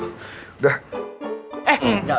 eh enggak bisa